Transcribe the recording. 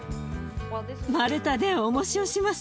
丸太でおもしをします。